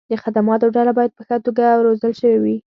د خدماتو ډله باید په ښه توګه روزل شوې وي.